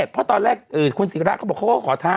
เพราะตอนแรกคุณศิราเขาบอกเขาก็ขอท้า